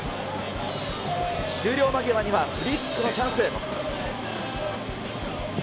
終了間際にはフリーキックのチャンス。